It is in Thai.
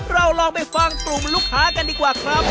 เราลองไปฟังกลุ่มลูกค้ากันดีกว่าครับ